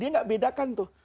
dia nggak bedakan tuh